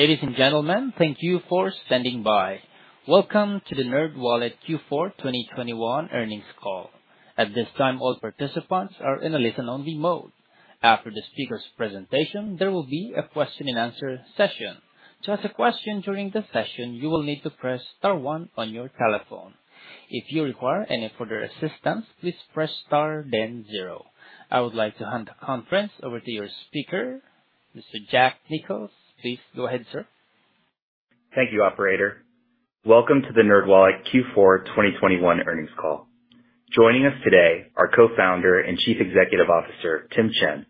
Ladies and gentlemen, thank you for standing by. Welcome to the NerdWallet Q4 2021 Earnings Call. At this time, all participants are in a listen only mode. After the speaker's presentation, there will be a question and answer session. To ask a question during the session, you will need to press star one on your telephone. If you require any further assistance, please press star then zero. I would like to hand the conference over to your speaker, Mr. Jack Nichols. Please go ahead, sir. Thank you, operator. Welcome to the NerdWallet Q4 2021 Earnings Call. Joining us today are Co-Founder and Chief Executive Officer Tim Chen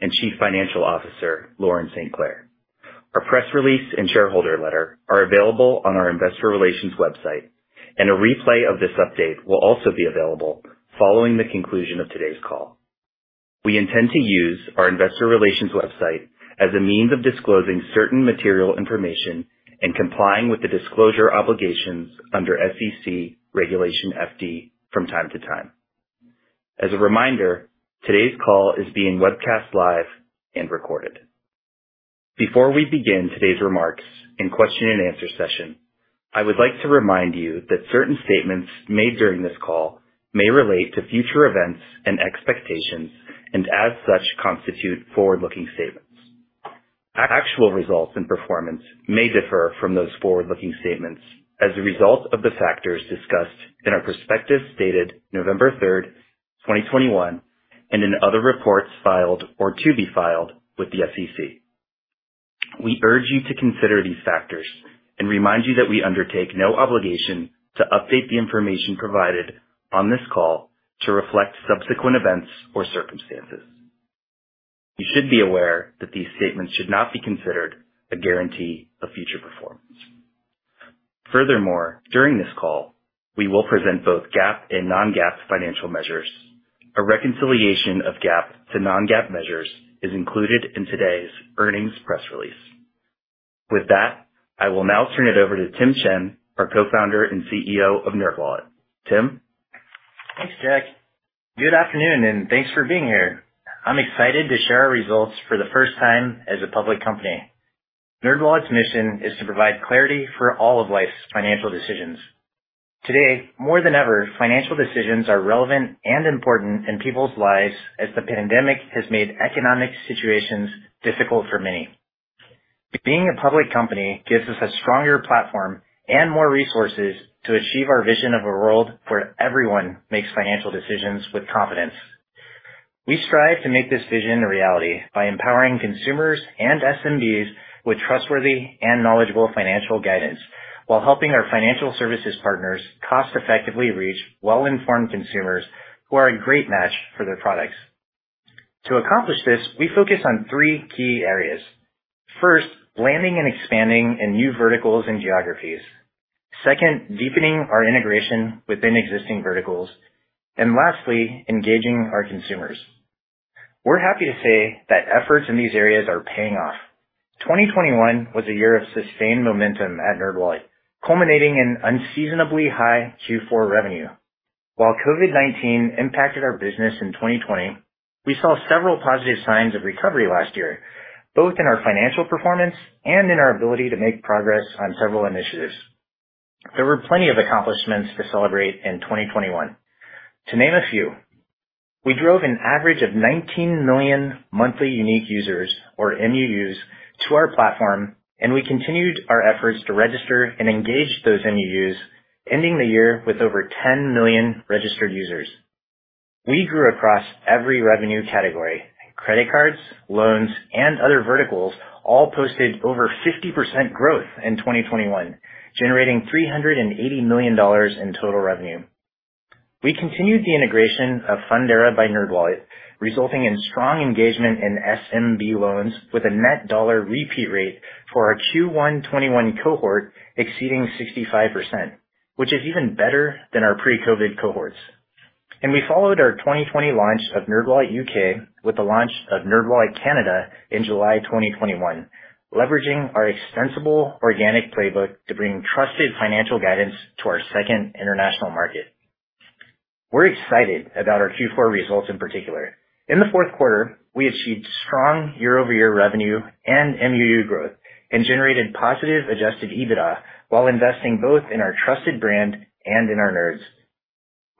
and Chief Financial Officer Lauren StClair. Our press release and shareholder letter are available on our Investor Relations website, and a replay of this update will also be available following the conclusion of today's call. We intend to use our Investor Relations website as a means of disclosing certain material information and complying with the disclosure obligations under SEC Regulation FD from time to time. As a reminder, today's call is being webcast live and recorded. Before we begin today's remarks and question and answer session, I would like to remind you that certain statements made during this call may relate to future events and expectations and, as such, constitute forward-looking statements. Actual results and performance may differ from those forward-looking statements as a result of the factors discussed in our prospectus dated November 3rd, 2021 and in other reports filed or to be filed with the SEC. We urge you to consider these factors and remind you that we undertake no obligation to update the information provided on this call to reflect subsequent events or circumstances. You should be aware that these statements should not be considered a guarantee of future performance. Furthermore, during this call, we will present both GAAP and non-GAAP financial measures. A reconciliation of GAAP to non-GAAP measures is included in today's earnings press release. With that, I will now turn it over to Tim Chen, our Co-Founder and CEO of NerdWallet. Tim. Thanks, Jack. Good afternoon, and thanks for being here. I'm excited to share our results for the first time as a public company. NerdWallet's mission is to provide clarity for all of life's financial decisions. Today, more than ever, financial decisions are relevant and important in people's lives as the pandemic has made economic situations difficult for many. Being a public company gives us a stronger platform and more resources to achieve our vision of a world where everyone makes financial decisions with confidence. We strive to make this vision a reality by empowering consumers and SMBs with trustworthy and knowledgeable financial guidance while helping our financial services partners cost effectively reach well-informed consumers who are a great match for their products. To accomplish this, we focus on three key areas. First, landing and expanding in new verticals and geographies. Second, deepening our integration within existing verticals. Lastly, engaging our consumers. We're happy to say that efforts in these areas are paying off. 2021 was a year of sustained momentum at NerdWallet, culminating in unseasonably high Q4 revenue. While COVID-19 impacted our business in 2020, we saw several positive signs of recovery last year, both in our financial performance and in our ability to make progress on several initiatives. There were plenty of accomplishments to celebrate in 2021. To name a few, we drove an average of 19 million monthly unique users, or MUUs, to our platform, and we continued our efforts to register and engage those MUUs, ending the year with over 10 million registered users. We grew across every revenue category. Credit cards, loans, and other verticals all posted over 50% growth in 2021, generating $380 million in total revenue. We continued the integration of Fundera by NerdWallet, resulting in strong engagement in SMB loans with a net dollar repeat rate for our Q1 2021 cohort exceeding 65%, which is even better than our pre-COVID cohorts. We followed our 2020 launch of NerdWallet U.K. with the launch of NerdWallet Canada in July 2021, leveraging our extensible organic playbook to bring trusted financial guidance to our second international market. We're excited about our Q4 results in particular. In the fourth quarter, we achieved strong year-over-year revenue and MUU growth and generated positive adjusted EBITDA while investing both in our trusted brand and in our nerds.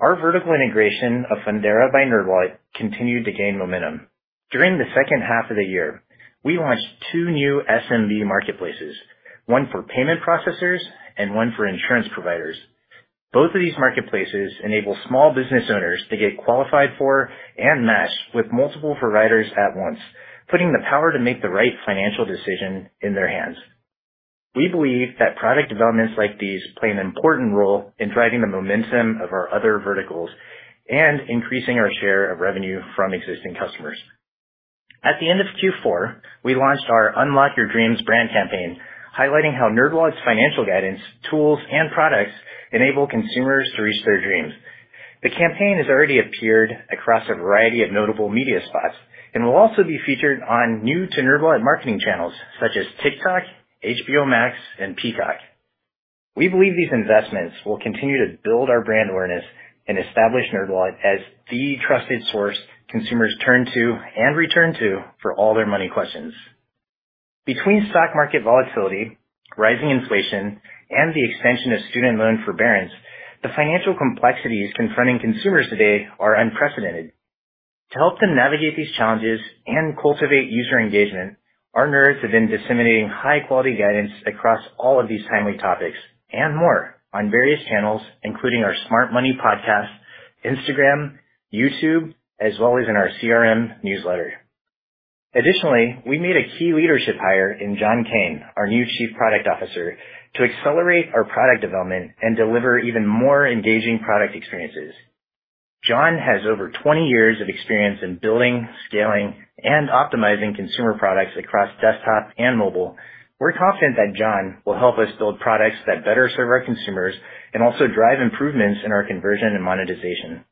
Our vertical integration of Fundera by NerdWallet continued to gain momentum. During the second half of the year, we launched two new SMB marketplaces, one for payment processors and one for insurance providers. Both of these marketplaces enable small business owners to get qualified for and match with multiple providers at once, putting the power to make the right financial decision in their hands. We believe that product developments like these play an important role in driving the momentum of our other verticals and increasing our share of revenue from existing customers. At the end of Q4, we launched our Unlock Your Dreams brand campaign, highlighting how NerdWallet's financial guidance, tools, and products enable consumers to reach their dreams. The campaign has already appeared across a variety of notable media spots and will also be featured on new to NerdWallet marketing channels such as TikTok, HBO Max, and Peacock. We believe these investments will continue to build our brand awareness and establish NerdWallet as the trusted source consumers turn to and return to for all their money questions. Between stock market volatility, rising inflation, and the extension of student loan forbearance, the financial complexities confronting consumers today are unprecedented. To help them navigate these challenges and cultivate user engagement, our Nerds have been disseminating high quality guidance across all of these timely topics and more on various channels, including our Smart Money podcast, Instagram, YouTube, as well as in our CRM newsletter. Additionally, we made a key leadership hire in John Caine, our new Chief Product Officer, to accelerate our product development and deliver even more engaging product experiences. John has over 20 years of experience in building, scaling, and optimizing consumer products across desktop and mobile. We're confident that John will help us build products that better serve our consumers and also drive improvements in our conversion and monetization.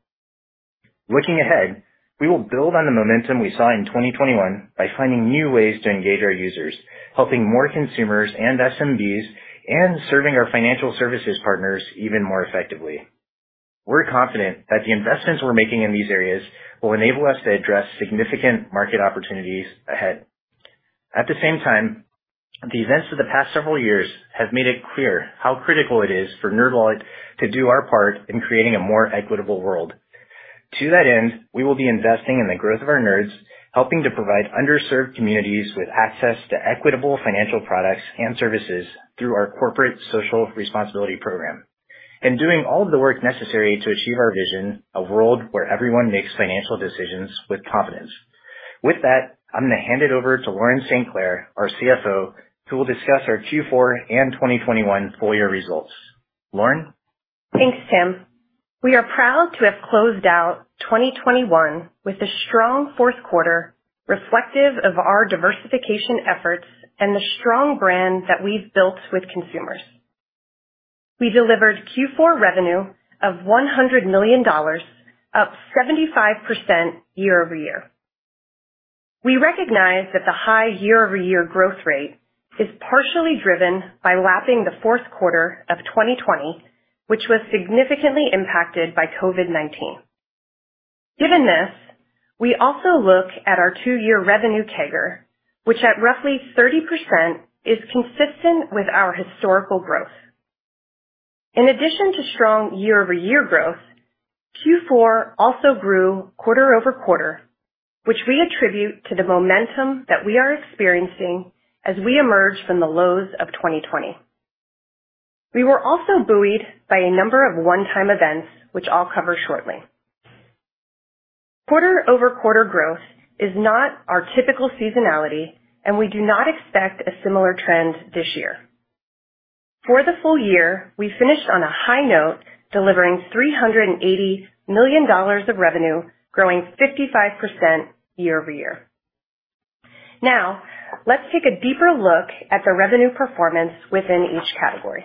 Looking ahead, we will build on the momentum we saw in 2021 by finding new ways to engage our users, helping more consumers and SMBs, and serving our financial services partners even more effectively. We're confident that the investments we're making in these areas will enable us to address significant market opportunities ahead. At the same time, the events of the past several years have made it clear how critical it is for NerdWallet to do our part in creating a more equitable world. To that end, we will be investing in the growth of our Nerds, helping to provide underserved communities with access to equitable financial products and services through our corporate social responsibility program, and doing all of the work necessary to achieve our vision, a world where everyone makes financial decisions with confidence. With that, I'm going to hand it over to Lauren StClair, our CFO, who will discuss our Q4 and 2021 full year results. Lauren. Thanks, Tim. We are proud to have closed out 2021 with a strong fourth quarter reflective of our diversification efforts and the strong brand that we've built with consumers. We delivered Q4 revenue of $100 million, up 75% year-over-year. We recognize that the high year-over-year growth rate is partially driven by lapping the fourth quarter of 2020, which was significantly impacted by COVID-19. Given this, we also look at our two-year revenue CAGR, which at roughly 30%, is consistent with our historical growth. In addition to strong year-over-year growth, Q4 also grew quarter-over-quarter, which we attribute to the momentum that we are experiencing as we emerge from the lows of 2020. We were also buoyed by a number of one-time events which I'll cover shortly. Quarter-over-quarter growth is not our typical seasonality, and we do not expect a similar trend this year. For the full year, we finished on a high note, delivering $380 million of revenue, growing 55% year-over-year. Now let's take a deeper look at the revenue performance within each category.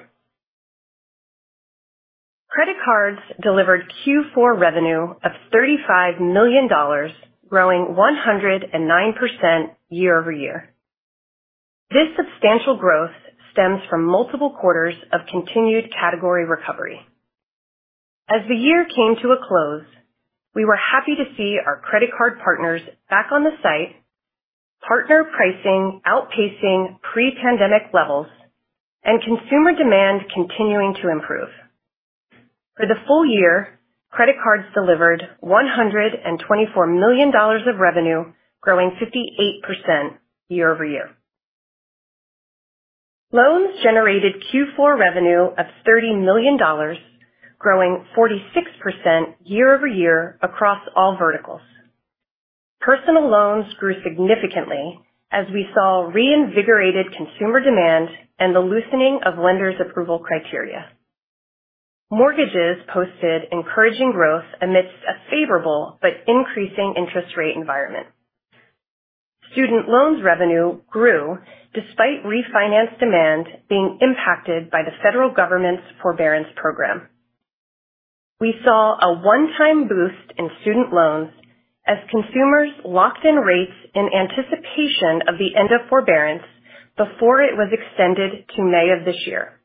Credit cards delivered Q4 revenue of $35 million, growing 109% year-over-year. This substantial growth stems from multiple quarters of continued category recovery. As the year came to a close, we were happy to see our credit card partners back on the site, partner pricing outpacing pre-pandemic levels, and consumer demand continuing to improve. For the full year, credit cards delivered $124 million of revenue, growing 58% year-over-year. Loans generated Q4 revenue of $30 million, growing 46% year-over-year across all verticals. Personal loans grew significantly as we saw reinvigorated consumer demand and the loosening of lenders approval criteria. Mortgages posted encouraging growth amidst a favorable but increasing interest rate environment. Student loans revenue grew despite refinance demand being impacted by the federal government's forbearance program. We saw a one-time boost in student loans as consumers locked in rates in anticipation of the end of forbearance before it was extended to May of this year.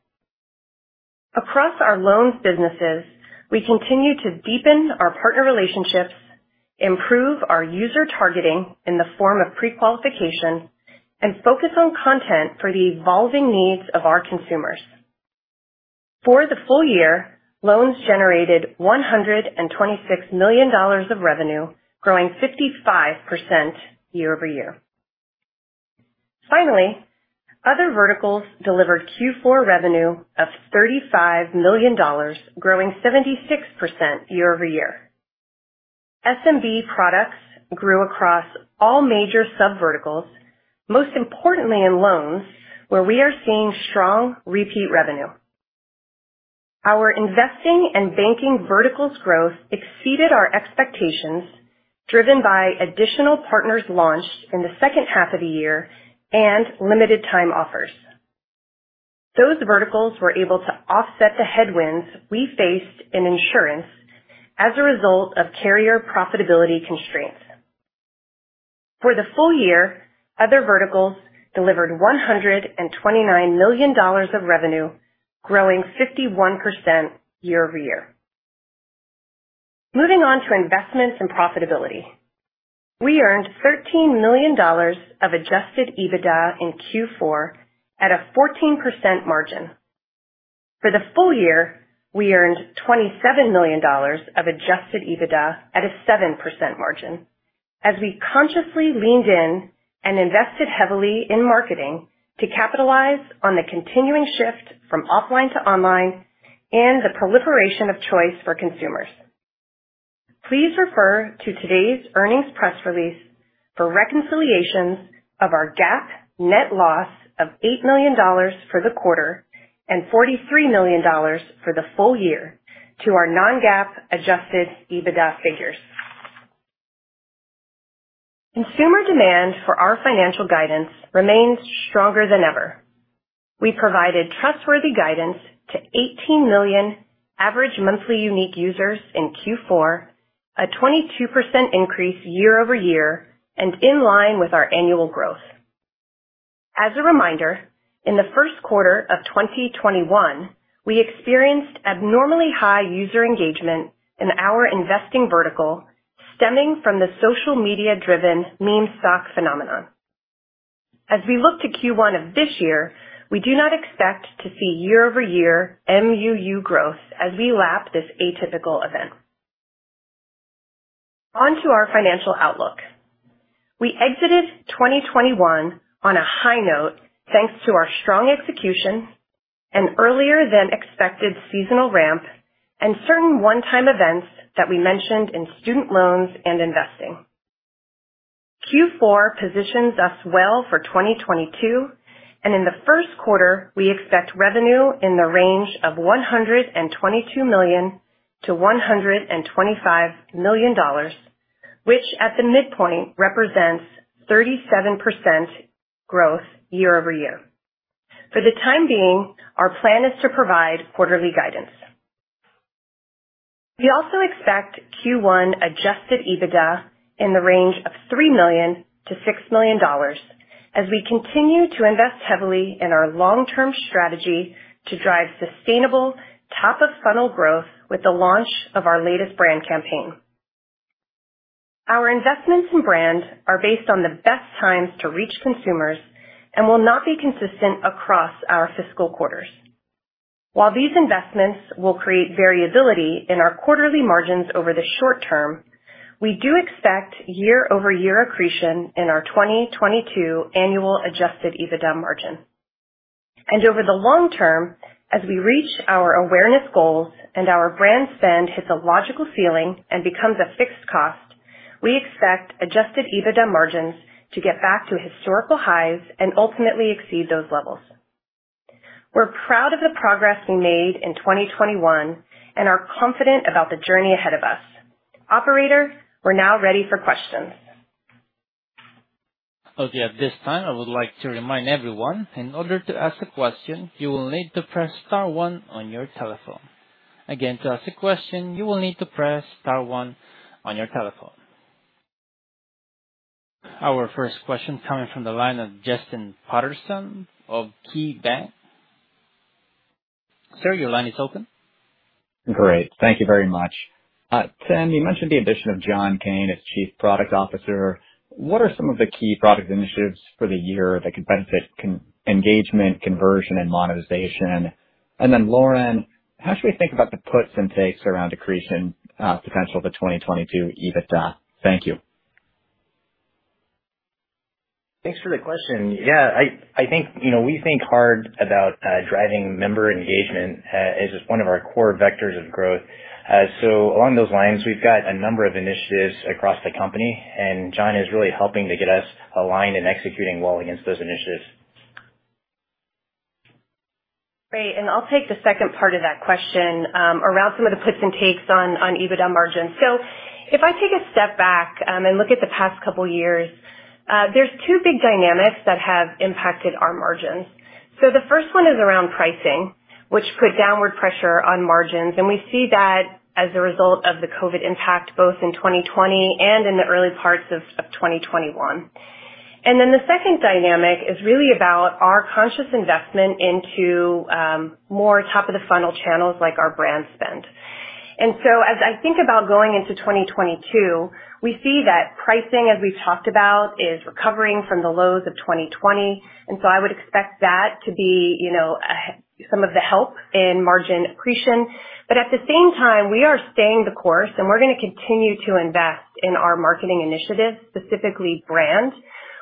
Across our loans businesses, we continue to deepen our partner relationships, improve our user targeting in the form of pre-qualification, and focus on content for the evolving needs of our consumers. For the full year, loans generated $126 million of revenue, growing 55% year-over-year. Finally, other verticals delivered Q4 revenue of $35 million, growing 76% year-over-year. SMB products grew across all major subverticals, most importantly in loans where we are seeing strong repeat revenue. Our investing and banking verticals growth exceeded our expectations, driven by additional partners launched in the second half of the year and limited time offers. Those verticals were able to offset the headwinds we faced in insurance as a result of carrier profitability constraints. For the full year, other verticals delivered $129 million of revenue, growing 51% year-over-year. Moving on to investments and profitability. We earned $13 million of Adjusted EBITDA in Q4 at a 14% margin. For the full year, we earned $27 million of Adjusted EBITDA at a 7% margin as we consciously leaned in and invested heavily in marketing to capitalize on the continuing shift from offline to online and the proliferation of choice for consumers. Please refer to today's earnings press release for reconciliations of our GAAP net loss of $8 million for the quarter and $43 million for the full year to our non-GAAP Adjusted EBITDA figures. Consumer demand for our financial guidance remains stronger than ever. We provided trustworthy guidance to 18 million average monthly unique users in Q4, a 22% increase year-over-year and in line with our annual growth. As a reminder, in the first quarter of 2021, we experienced abnormally high user engagement in our investing vertical stemming from the social media-driven meme stock phenomenon. As we look to Q1 of this year, we do not expect to see year-over-year MUU growth as we lap this atypical event. On to our financial outlook. We exited 2021 on a high note thanks to our strong execution and earlier than expected seasonal ramp and certain one-time events that we mentioned in student loans and investing. Q4 positions us well for 2022, and in the first quarter, we expect revenue in the range of $122 million-$125 million, which at the midpoint represents 37% growth year-over-year. For the time being, our plan is to provide quarterly guidance. We also expect Q1 Adjusted EBITDA in the range of $3 million-$6 million as we continue to invest heavily in our long-term strategy to drive sustainable top of funnel growth with the launch of our latest brand campaign. Our investments in brand are based on the best times to reach consumers and will not be consistent across our fiscal quarters. While these investments will create variability in our quarterly margins over the short term, we do expect year-over-year accretion in our 2022 annual Adjusted EBITDA margin. Over the long term, as we reach our awareness goals and our brand spend hits a logical ceiling and becomes a fixed cost, we expect Adjusted EBITDA margins to get back to historical highs and ultimately exceed those levels. We're proud of the progress we made in 2021 and are confident about the journey ahead of us. Operator, we're now ready for questions. Okay. At this time, I would like to remind everyone in order to ask a question, you will need to press star one on your telephone. Again, to ask a question, you will need to press star one on your telephone. Our first question coming from the line of Justin Patterson of KeyBanc. Sir, your line is open. Great. Thank you very much. Tim, you mentioned the addition of John Caine as Chief Product Officer. What are some of the key product initiatives for the year that could benefit consumer engagement, conversion, and monetization? Lauren, how should we think about the puts and takes around accretion, potential for 2022 EBITDA? Thank you. Thanks for the question. Yeah, I think, you know, we think hard about driving member engagement as one of our core vectors of growth. Along those lines, we've got a number of initiatives across the company, and John is really helping to get us aligned and executing well against those initiatives. Great. I'll take the second part of that question, around some of the puts and takes on EBITDA margins. If I take a step back, and look at the past couple years, there's two big dynamics that have impacted our margins. The first one is around pricing, which put downward pressure on margins, and we see that as a result of the COVID impact both in 2020 and in the early parts of 2021. Then the second dynamic is really about our conscious investment into more top of the funnel channels like our brand spend. As I think about going into 2022, we see that pricing, as we've talked about, is recovering from the lows of 2020, and I would expect that to be, you know, some of the help in margin accretion. At the same time, we are staying the course, and we're gonna continue to invest in our marketing initiatives, specifically brand,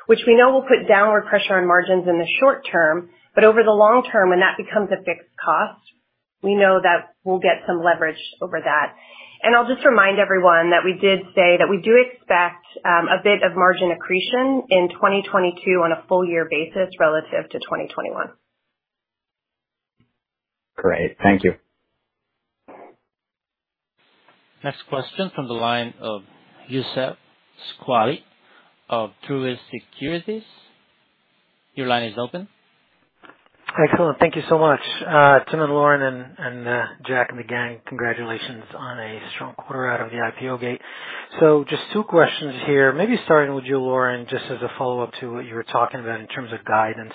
which we know will put downward pressure on margins in the short term, but over the long term, when that becomes a fixed cost, we know that we'll get some leverage over that. I'll just remind everyone that we did say that we do expect a bit of margin accretion in 2022 on a full year basis relative to 2021. Great. Thank you. Next question from the line of Youssef Squali of Truist Securities. Your line is open. Excellent. Thank you so much. Tim and Lauren and Jack and the gang, congratulations on a strong quarter out of the IPO gate. Just two questions here. Maybe starting with you, Lauren, just as a follow-up to what you were talking about in terms of guidance.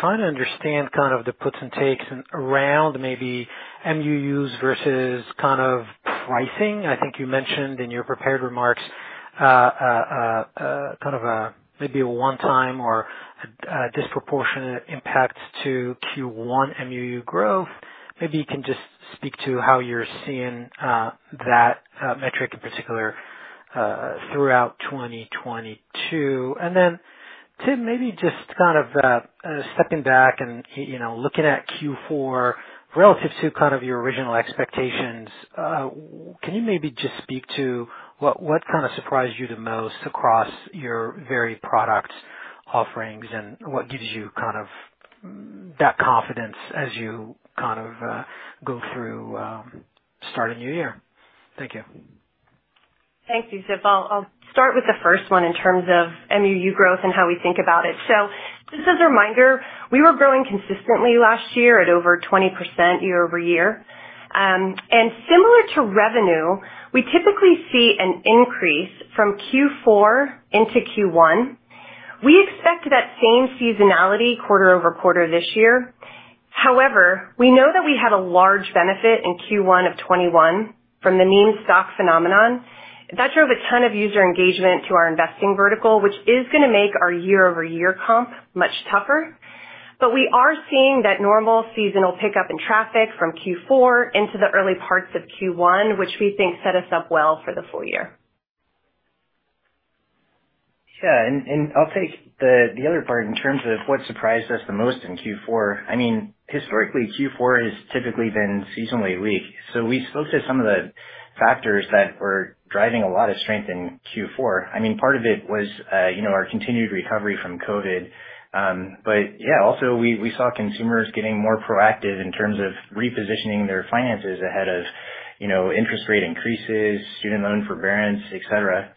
Trying to understand kind of the puts and takes around maybe MUUs versus kind of pricing. I think you mentioned in your prepared remarks, kind of a maybe one-time or a disproportionate impact to Q1 MUUs growth. Maybe you can just speak to how you're seeing that metric in particular throughout 2022. Tim, maybe just kind of stepping back and, you know, looking at Q4 relative to kind of your original expectations, can you maybe just speak to what kinda surprised you the most across your various product offerings and what gives you kind of that confidence as you kind of go through starting a new year? Thank you. Thank you, Youssef. I'll start with the first one in terms of MUU growth and how we think about it. Just as a reminder, we were growing consistently last year at over 20% year-over-year. And similar to revenue, we typically see an increase from Q4 into Q1. We expect that same seasonality quarter-over-quarter this year. However, we know that we had a large benefit in Q1 of 2021 from the meme stock phenomenon. That drove a ton of user engagement to our investing vertical, which is gonna make our year-over-year comp much tougher. But we are seeing that normal seasonal pickup in traffic from Q4 into the early parts of Q1, which we think set us up well for the full year. I'll take the other part in terms of what surprised us the most in Q4. I mean, historically, Q4 has typically been seasonally weak. We spoke to some of the factors that were driving a lot of strength in Q4. I mean, part of it was, you know, our continued recovery from COVID. Also we saw consumers getting more proactive in terms of repositioning their finances ahead of, you know, interest rate increases, student loan forbearance, et cetera.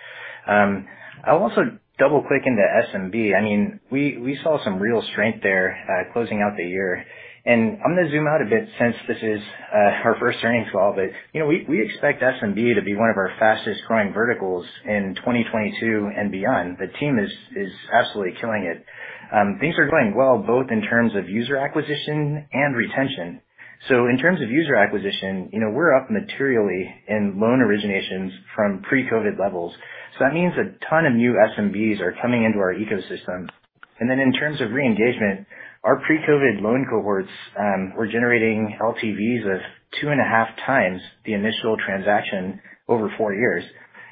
I'll also double-click into SMB. I mean, we saw some real strength there, closing out the year. I'm gonna zoom out a bit since this is, our first earnings call. You know, we expect SMB to be one of our fastest growing verticals in 2022 and beyond. The team is absolutely killing it. Things are going well both in terms of user acquisition and retention. In terms of user acquisition, you know, we're up materially in loan originations from pre-COVID levels. That means a ton of new SMBs are coming into our ecosystem. In terms of reengagement, our pre-COVID loan cohorts were generating LTVs of 2.5x the initial transaction over four years.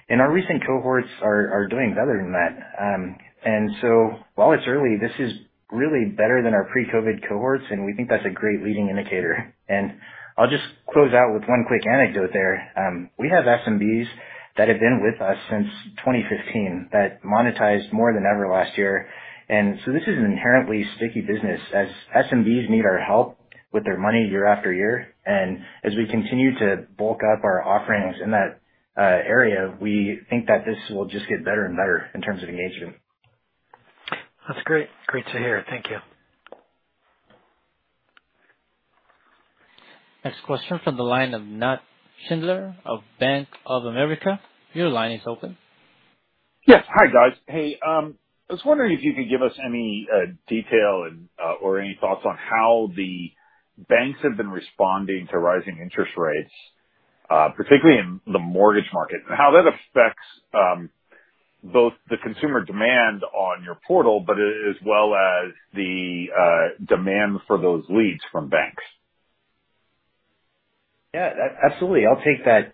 Our recent cohorts are doing better than that. While it's early, this is really better than our pre-COVID cohorts, and we think that's a great leading indicator. I'll just close out with one quick anecdote there. We have SMBs that have been with us since 2015 that monetized more than ever last year. This is an inherently sticky business as SMBs need our help with their money year after year. As we continue to bulk up our offerings in that area, we think that this will just get better and better in terms of engagement. That's great. Great to hear. Thank you. Next question from the line of Nat Schindler of Bank of America. Your line is open. Yes. Hi, guys. Hey, I was wondering if you could give us any detail or any thoughts on how the banks have been responding to rising interest rates, particularly in the mortgage market, and how that affects both the consumer demand on your portal, but as well as the demand for those leads from banks. Absolutely. I'll take that.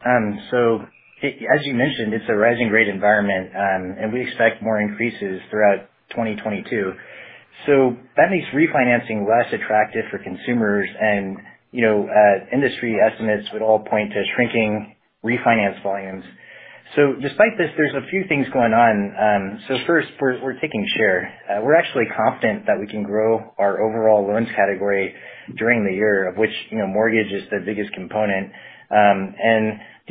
As you mentioned, it's a rising rate environment, and we expect more increases throughout 2022. That makes refinancing less attractive for consumers. You know, industry estimates would all point to shrinking refinance volumes. Despite this, there's a few things going on. First, we're taking share. We're actually confident that we can grow our overall loans category during the year, of which, you know, mortgage is the biggest component.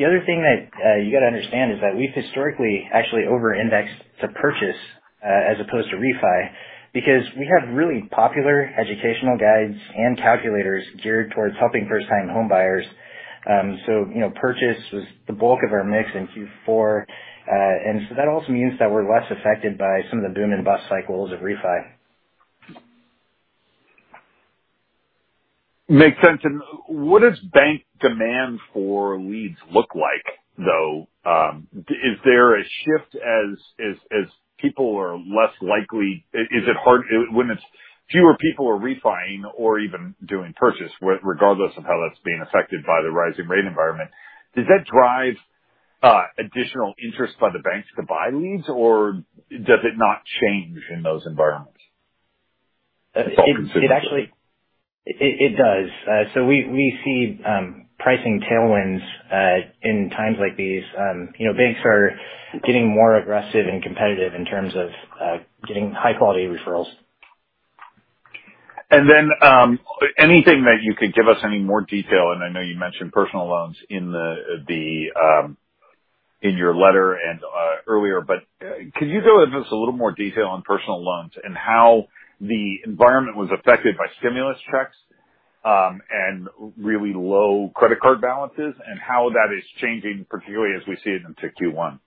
The other thing that you got to understand is that we've historically actually over-indexed to purchase, as opposed to refi because we have really popular educational guides and calculators geared towards helping first-time homebuyers. You know, purchase was the bulk of our mix in Q4. That also means that we're less affected by some of the boom and bust cycles of refi. Makes sense. What does bank demand for leads look like, though? Is there a shift as people are less likely? Is it hard when it's fewer people are refi-ing or even doing purchase, regardless of how that's being affected by the rising rate environment? Does that drive additional interest by the banks to buy leads, or does it not change in those environments? It actually it does. We see pricing tailwinds in times like these. You know, banks are getting more aggressive and competitive in terms of getting high-quality referrals. Anything that you could give us any more detail, and I know you mentioned personal loans in your letter and earlier, but can you go into just a little more detail on personal loans and how the environment was affected by stimulus checks and really low credit card balances and how that is changing, particularly as we see it into Q1?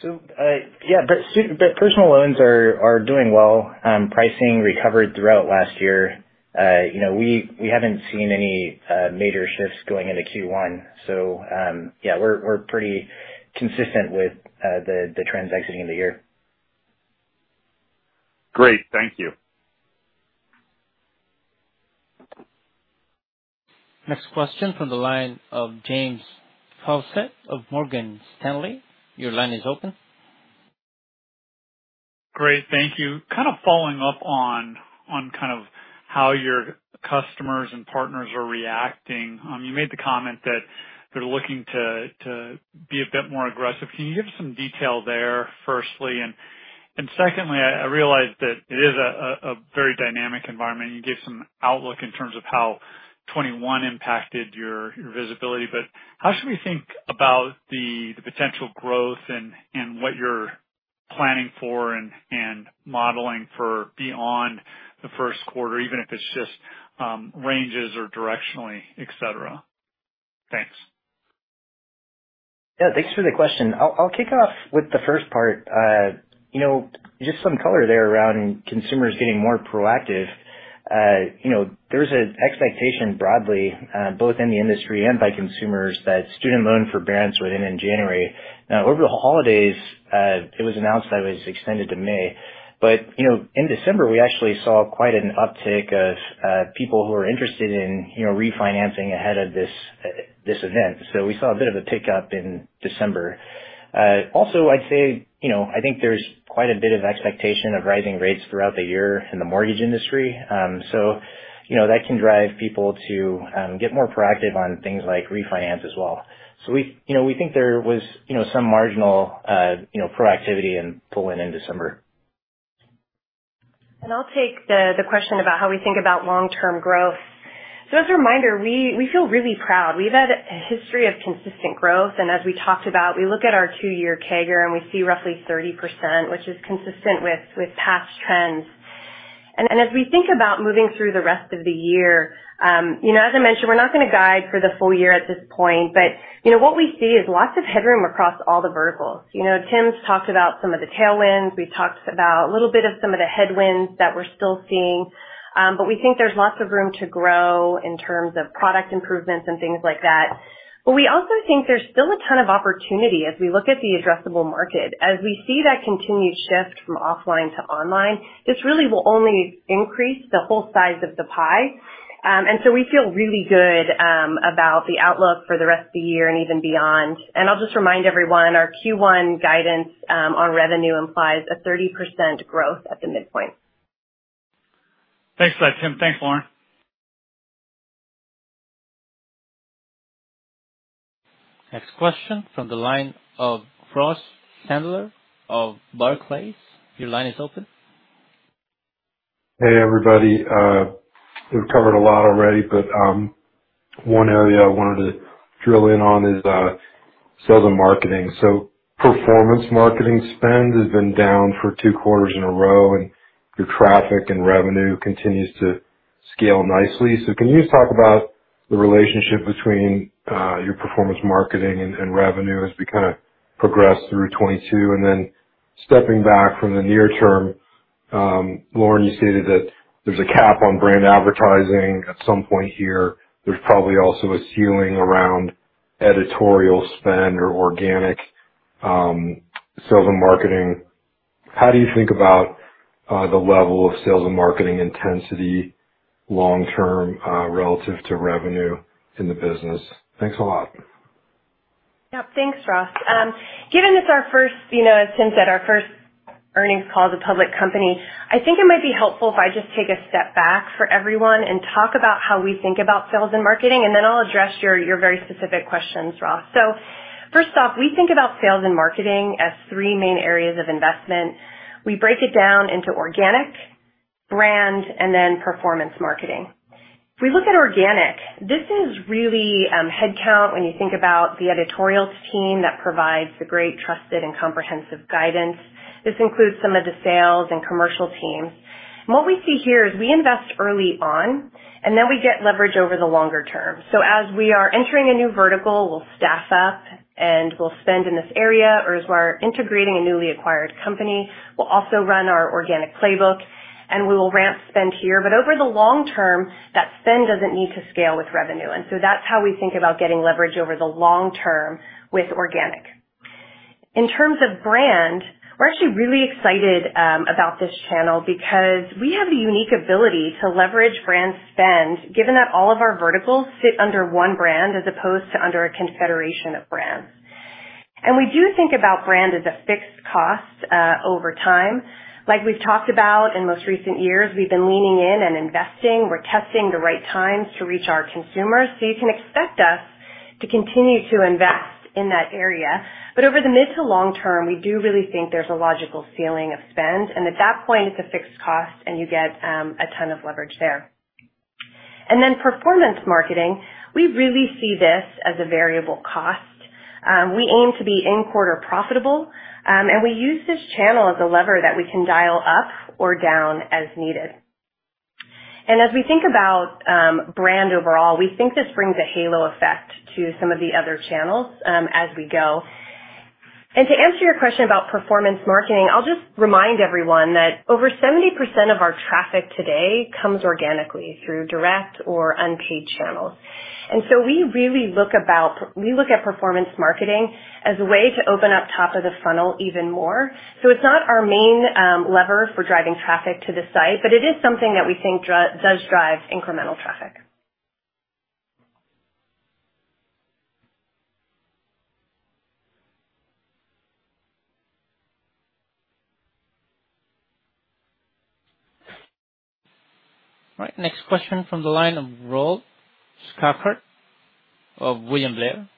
Yeah. Personal loans are doing well. Pricing recovered throughout last year. You know, we haven't seen any major shifts going into Q1. Yeah, we're pretty consistent with the trends exiting the year. Great. Thank you. Next question from the line of James Faucette of Morgan Stanley. Your line is open. Great. Thank you. Kind of following up on kind of how your customers and partners are reacting. You made the comment that they're looking to be a bit more aggressive. Can you give some detail there, firstly? Secondly, I realize that it is a very dynamic environment. You gave some outlook in terms of how 2021 impacted your visibility. How should we think about the potential growth and what you're planning for and modeling for beyond the first quarter, even if it's just ranges or directionally, et cetera? Thanks. Yeah. Thanks for the question. I'll kick off with the first part. You know, just some color there around consumers getting more proactive. You know, there's an expectation broadly, both in the industry and by consumers that student loan forbearance would end in January. Now, over the holidays, it was announced that it was extended to May. You know, in December, we actually saw quite an uptick of people who are interested in, you know, refinancing ahead of this event. We saw a bit of a pickup in December. Also, I'd say, you know, I think there's quite a bit of expectation of rising rates throughout the year in the mortgage industry. You know, that can drive people to get more proactive on things like refinance as well. We, you know, we think there was, you know, some marginal, you know, proactivity in pull-in in December. I'll take the question about how we think about long-term growth. As a reminder, we feel really proud. We've had a history of consistent growth, and as we talked about, we look at our two-year CAGR, and we see roughly 30%, which is consistent with past trends. As we think about moving through the rest of the year, you know, as I mentioned, we're not gonna guide for the full year at this point. You know, what we see is lots of headroom across all the verticals. You know, Tim's talked about some of the tailwinds. We've talked about a little bit of some of the headwinds that we're still seeing. We think there's lots of room to grow in terms of product improvements and things like that. We also think there's still a ton of opportunity as we look at the addressable market. As we see that continued shift from offline to online, this really will only increase the whole size of the pie. We feel really good about the outlook for the rest of the year and even beyond. I'll just remind everyone, our Q1 guidance on revenue implies a 30% growth at the midpoint. Thanks for that, Tim. Thanks, Lauren. Next question from the line of Ross Sandler of Barclays. Your line is open. Hey, everybody. We've covered a lot already, but one area I wanted to drill in on is sales and marketing. Performance marketing spend has been down for two quarters in a row, and your traffic and revenue continues to scale nicely. Can you just talk about the relationship between your performance marketing and revenue as we kinda progress through 2022? Then stepping back from the near term, Lauren, you stated that there's a cap on brand advertising at some point here. There's probably also a ceiling around editorial spend or organic sales and marketing. How do you think about the level of sales and marketing intensity long term relative to revenue in the business? Thanks a lot. Yeah. Thanks, Ross. Given it's our first, you know, as Tim said, our first earnings call as a public company, I think it might be helpful if I just take a step back for everyone and talk about how we think about sales and marketing, and then I'll address your very specific questions, Ross. First off, we think about sales and marketing as three main areas of investment. We break it down into organic, brand, and then performance marketing. If we look at organic, this is really headcount when you think about the editorials team that provides the great, trusted, and comprehensive guidance. This includes some of the sales and commercial teams. What we see here is we invest early on, and then we get leverage over the longer term. As we are entering a new vertical, we'll staff up and we'll spend in this area, or as we're integrating a newly acquired company, we'll also run our organic playbook, and we will ramp spend here. Over the long term, that spend doesn't need to scale with revenue. That's how we think about getting leverage over the long term with organic. In terms of brand, we're actually really excited about this channel because we have the unique ability to leverage brand spend, given that all of our verticals sit under one brand as opposed to under a confederation of brands. We do think about brand as a fixed cost over time. Like we've talked about in most recent years, we've been leaning in and investing. We're testing the right times to reach our consumers. You can expect us to continue to invest in that area. Over the mid to long term, we do really think there's a logical ceiling of spend. At that point, it's a fixed cost, and you get a ton of leverage there. Then performance marketing, we really see this as a variable cost. We aim to be in-quarter profitable, and we use this channel as a lever that we can dial up or down as needed. As we think about brand overall, we think this brings a halo effect to some of the other channels, as we go. To answer your question about performance marketing, I'll just remind everyone that over 70% of our traffic today comes organically through direct or unpaid channels. We look at performance marketing as a way to open up top of the funnel even more. It's not our main lever for driving traffic to the site, but it is something that we think does drive incremental traffic. All right, next question from the line of Ralph Schackart of William Blair.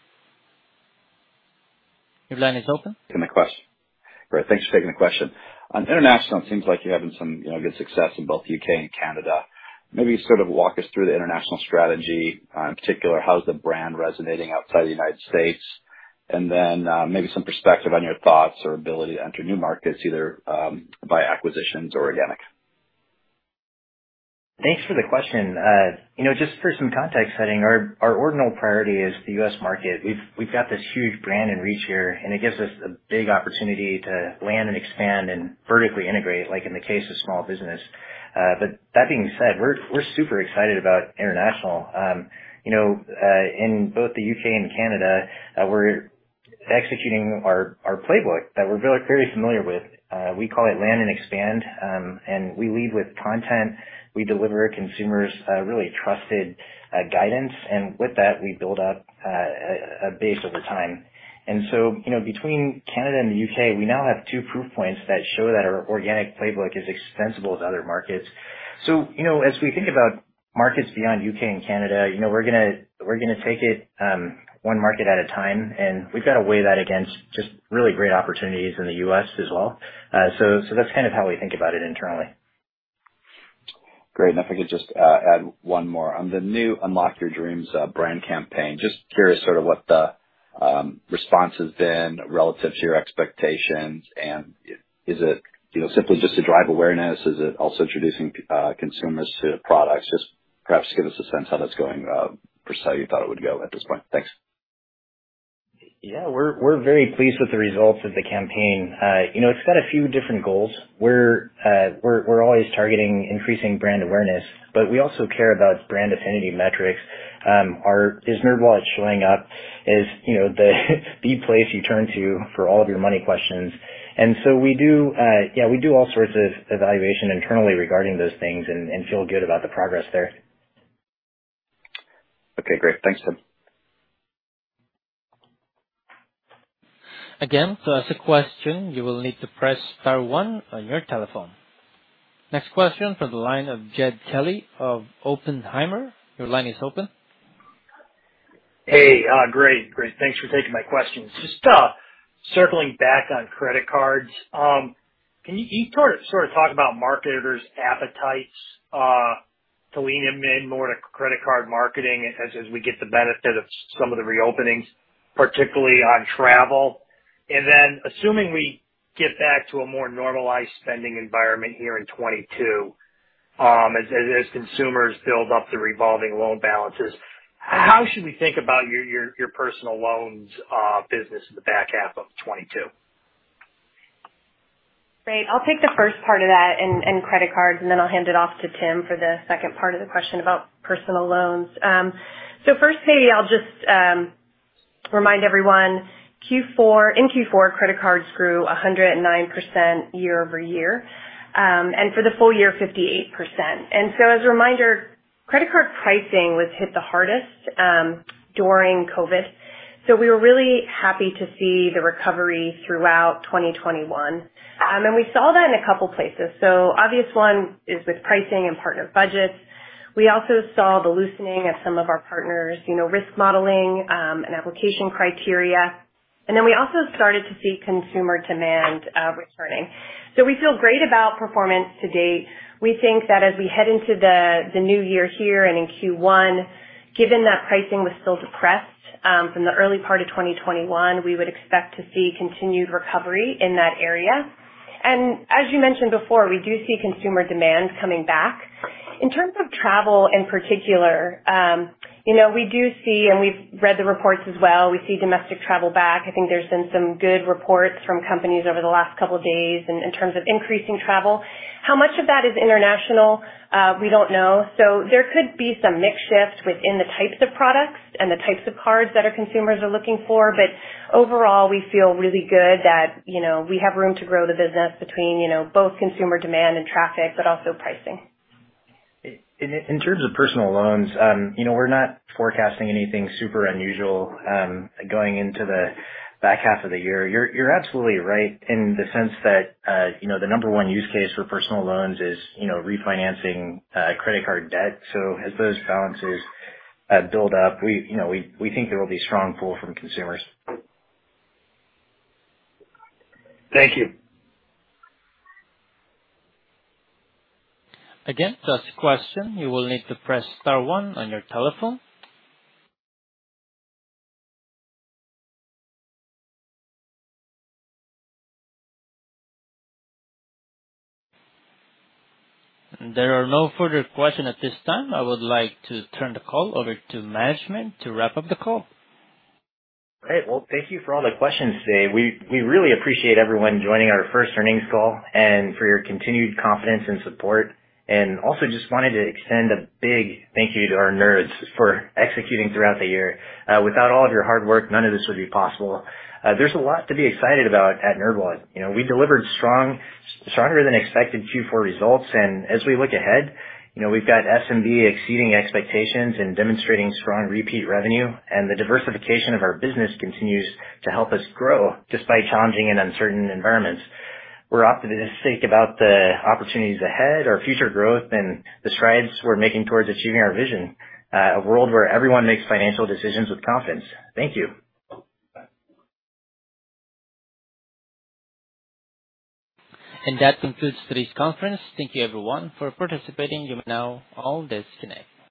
Your line is open. Thanks for taking the question. On international, it seems like you're having some, you know, good success in both U.K. and Canada. Maybe sort of walk us through the international strategy. In particular, how's the brand resonating outside the United States? Maybe some perspective on your thoughts or ability to enter new markets, either by acquisitions or organic. Thanks for the question. You know, just for some context setting, our ordinal priority is the U.S. market. We've got this huge brand and reach here, and it gives us a big opportunity to land and expand and vertically integrate, like in the case of small business. But that being said, we're super excited about international. You know, in both the U.K. and Canada, we're executing our playbook that we're very familiar with. We call it land and expand, and we lead with content. We deliver to consumers really trusted guidance. With that, we build up a base over time. You know, between Canada and the U.K., we now have two proof points that show that our organic playbook is extensible to other markets. You know, as we think about markets beyond U.K. and Canada, you know, we're gonna take it one market at a time, and we've got to weigh that against just really great opportunities in the U.S. as well. That's kind of how we think about it internally. Great. If I could just add one more. On the new Unlock Your Dreams brand campaign, just curious sort of what the response has been relative to your expectations and is it, you know, simply just to drive awareness? Is it also introducing consumers to products? Just perhaps give us a sense how that's going versus how you thought it would go at this point. Thanks. Yeah. We're very pleased with the results of the campaign. You know, it's got a few different goals. We're always targeting increasing brand awareness, but we also care about brand affinity metrics. Is NerdWallet showing up as you know, the place you turn to for all of your money questions? We do all sorts of evaluation internally regarding those things and feel good about the progress there. Okay. Great. Thanks, Tim. Again, to ask a question, you will need to press star one on your telephone. Next question from the line of Jed Kelly of Oppenheimer. Your line is open. Hey. Great. Thanks for taking my questions. Just circling back on credit cards, can you sort of talk about marketers' appetites to lean in more to credit card marketing as we get the benefit of some of the reopenings, particularly on travel? Then assuming we get back to a more normalized spending environment here in 2022, as consumers build up the revolving loan balances, how should we think about your personal loans business in the back half of 2022? Great. I'll take the first part of that in credit cards, and then I'll hand it off to Tim for the second part of the question about personal loans. First, Jed, I'll just remind everyone Q4, credit cards grew 109% year-over-year, and for the full year, 58%. As a reminder, credit card pricing was hit the hardest during COVID. We were really happy to see the recovery throughout 2021. We saw that in a couple places. Obvious one is with pricing and partner budgets. We also saw the loosening of some of our partners', you know, risk modeling and application criteria. Then we also started to see consumer demand returning. We feel great about performance to date. We think that as we head into the new year here and in Q1, given that pricing was still depressed from the early part of 2021, we would expect to see continued recovery in that area. As you mentioned before, we do see consumer demand coming back. In terms of travel in particular, you know, we do see and we've read the reports as well. We see domestic travel back. I think there's been some good reports from companies over the last couple of days in terms of increasing travel. How much of that is international, we don't know. There could be some mix shift within the types of products and the types of cards that our consumers are looking for. Overall, we feel really good that, you know, we have room to grow the business between, you know, both consumer demand and traffic, but also pricing. In terms of personal loans, you know, we're not forecasting anything super unusual going into the back half of the year. You're absolutely right in the sense that, you know, the number one use case for personal loans is, you know, refinancing credit card debt. As those balances build up, we, you know, we think there will be strong pull from consumers. Thank you. Again, to ask a question, you will need to press star one on your telephone. There are no further questions at this time. I would like to turn the call over to management to wrap up the call. Great. Well, thank you for all the questions today. We really appreciate everyone joining our first earnings call and for your continued confidence and support. Also just wanted to extend a big thank you to our Nerds for executing throughout the year. Without all of your hard work, none of this would be possible. There's a lot to be excited about at NerdWallet. You know, we delivered strong, stronger than expected Q4 results. As we look ahead, you know, we've got SMB exceeding expectations and demonstrating strong repeat revenue, and the diversification of our business continues to help us grow despite challenging and uncertain environments. We're optimistic about the opportunities ahead, our future growth, and the strides we're making towards achieving our vision, a world where everyone makes financial decisions with confidence. Thank you. That concludes today's conference. Thank you everyone for participating. You may now all disconnect.